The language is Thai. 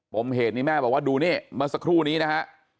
ผมเห็นเนี่ยแม่บอกว่าดูเนี่ยมาสักครู่นี้นะฮะ